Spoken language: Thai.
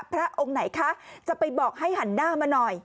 พระองค์ไหนคะจะไปบอกให้หันหน้ามาหน่อย